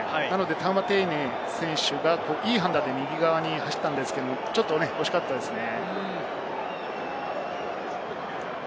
タウマテイネ選手がいい判断で右側に走ったんですけれど、ちょっと惜しかったですね。